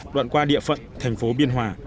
đoạn qua địa phận thành phố biên hòa